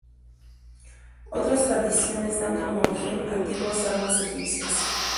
Otras tradiciones dan como origen antiguas armas egipcias.